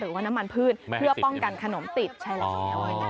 หรือว่าน้ำมันพืชเพื่อป้องกันขนมติดใช่แล้ว